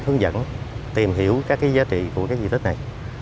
hướng dẫn tìm hiểu các giá trị của di tích này